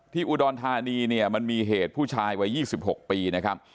อุดรธานีเนี่ยมันมีเหตุผู้ชายวัย๒๖ปีนะครับ